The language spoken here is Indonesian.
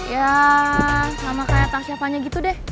ya sama kayak tasyavanya gitu deh